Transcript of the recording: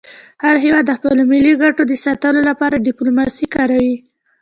هر هېواد د خپلو ملي ګټو د ساتلو لپاره ډيپلوماسي کاروي.